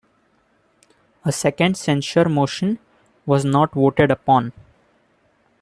A second censure motion was not voted upon.